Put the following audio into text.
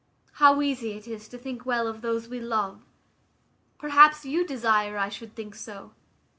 How easy is it to think well of those we love! Perhaps you desire I should think so.